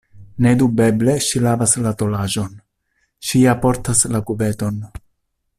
Nedubeble ŝi lavas la tolaĵon, ŝi ja portas la kuveton.